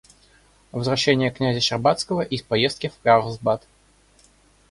Возвращение кн. Щербацкого из поездки в Карлсбад.